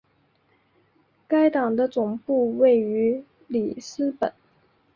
该党的总部位于里斯本。